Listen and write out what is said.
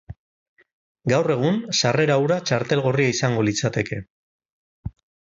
Gaur egun, sarrera hura txartel gorria izango litzateke.